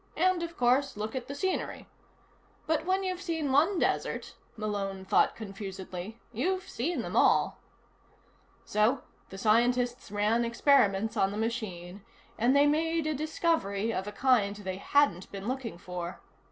And, of course, look at the scenery. But when you've seen one desert, Malone thought confusedly, you've seen them all. So, the scientists ran experiments on the machine, and they made a discovery of a kind they hadn't been looking for.